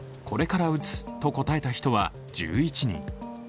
「これから打つ」と答えた人は１１人。